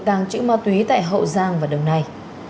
đang trữ ma túy tại hậu giang vào đường này